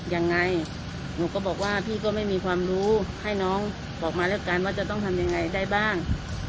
ยังไงหนูก็บอกว่าพี่ก็ไม่มีความรู้ให้น้องบอกมาแล้วกันว่าจะต้องทำยังไงได้บ้าง